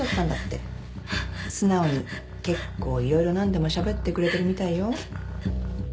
素直に結構色々何でもしゃべってくれてるみたいよ。